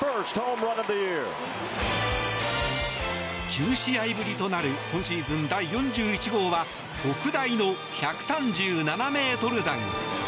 ９試合ぶりとなる今シーズン第４１号は特大の１３７ｍ弾。